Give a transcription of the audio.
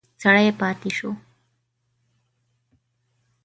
سړی پاتې شو.